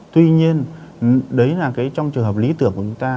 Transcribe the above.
tuy nhiên đấy là cái trong trường hợp lý tưởng của chúng ta